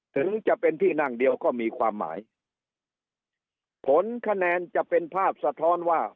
ถึงจะเป็นที่นั่งเดียวก็มีความหมายผลคะแนนจะเป็นภาพสะท้อนว่า